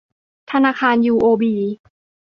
ธนาคารยูโอบี